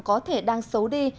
có thể đang xấu đi